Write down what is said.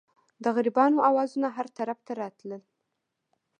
د غریبانو اوازونه هر طرف ته تلل.